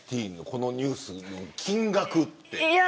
このニュースの金額って。